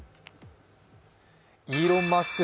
イーロン・マスク